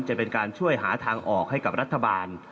จะเป็นการช่วยหาทางออกให้กับรัฐบาล